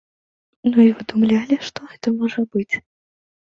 Ну і выдумлялі, што гэта можа быць.